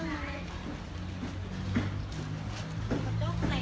สวัสดีครับคุณผู้ชาย